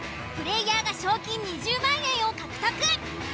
プレイヤーが賞金２０万円を獲得。